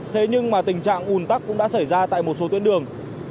thế nhưng mà tình trạng ùn tắc cũng đã xảy ra tại một số tuyến đường